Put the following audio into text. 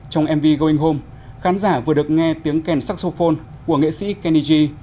trong mv going home khán giả vừa được nghe tiếng kèn saxophone của nghệ sĩ kenny g